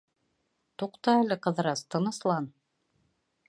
— Туҡта әле, Ҡыҙырас, тыныслан.